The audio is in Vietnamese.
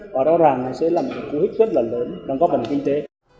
và rõ ràng nó sẽ là một cú hích rất là lớn đang góp gần kinh tế